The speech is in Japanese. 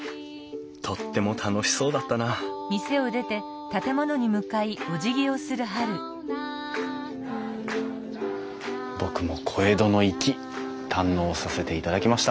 とっても楽しそうだったな僕も「小江戸の粋」堪能させていただきました。